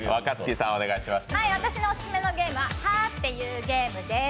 私のオススメのゲームは「はぁって言うゲーム」です。